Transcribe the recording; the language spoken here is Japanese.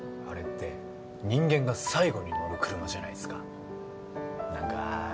あれって人間が最後に乗る車じゃないすか何か